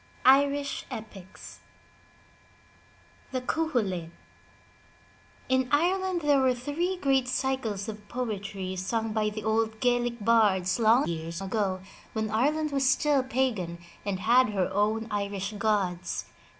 *IRISH EPICS THE CUCHULAIN In Ireland there were three great cycles of poetry sung by the old Gaelic bards long years ago when Ireland was still pagan and had her own Irish gods.